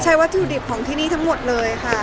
วัตถุดิบของที่นี่ทั้งหมดเลยค่ะ